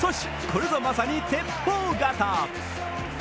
これぞまさに鉄砲肩。